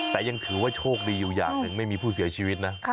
แต่ยังถือว่าโชคดีอยู่อย่างหนึ่งไม่มีผู้เสียชีวิตนะ